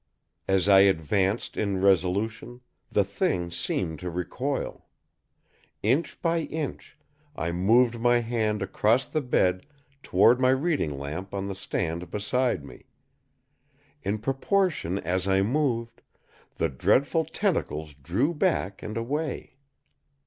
As I advanced in resolution, the Thing seemed to recoil. Inch by inch, I moved my hand across the bed toward my reading lamp on the stand beside me. In proportion as I moved, the dreadful tentacles drew back and away.